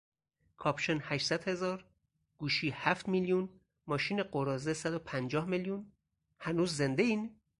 کاپشن هشتصد هزار گوشی هفت میلیون ماشین غراضه صدو پنجاه میلیون ؟هنوز زنده این؟